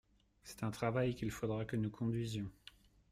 C’est un travail qu’il faudra que nous conduisions.